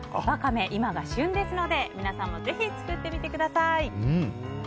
ワカメ、今が旬ですので皆さんもぜひ作ってみてください。